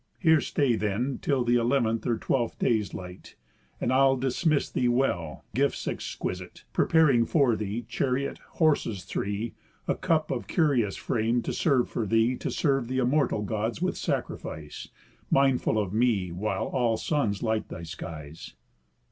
Here stay then till th' eleventh or twelfth day's light, And I'll dismiss thee well, gifts exquisite Preparing for thee, chariot, horses three, A cup of curious frame to serve for thee To serve th' immortal Gods with sacrifice, Mindful of me while all suns light thy skies."